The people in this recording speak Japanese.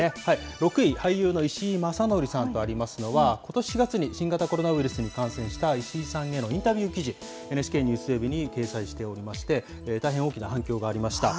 ６位、俳優の石井正則さんとありますのは、ことし４月に新型コロナウイルスに感染した石井さんへのインタビュー記事、ＮＨＫのニュースウェブに掲載しておりまして、大変大きな反響がありました。